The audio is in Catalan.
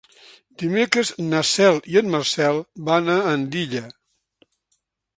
Dimecres na Cel i en Marcel van a Andilla.